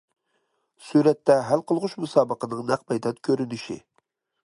سۈرەتتە ھەل قىلغۇچ مۇسابىقىنىڭ نەق مەيدان كۆرۈنۈشى.